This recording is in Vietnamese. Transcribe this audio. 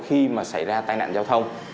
khi mà xảy ra tai nạn giao thông